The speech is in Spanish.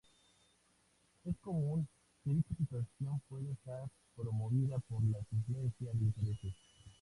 Es común que dicha situación pueda estar promovida por la influencia de intereses.